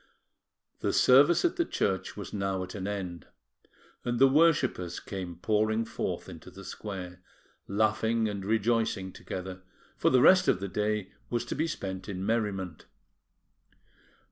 The service at the church was now at an end; and the worshippers came pouring forth into the square, laughing and rejoicing together, for the rest of the day was to be spent in merriment.